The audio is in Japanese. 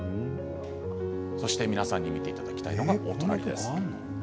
そして皆さんに見ていただきたいのはお隣です。